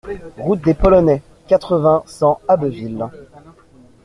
Route des Polonais, quatre-vingts, cent Abbeville